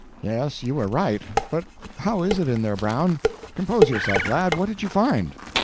"Yes, you are right—but how is it in there, Brown? Compose yourself, lad—what did you find?"